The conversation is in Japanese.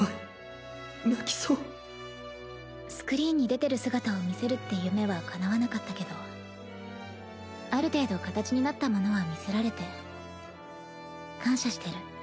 スクリーンに出てる姿を見せるって夢はかなわなかったけどある程度形になったものは見せられて感謝してる。